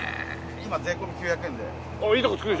今税込９００円で。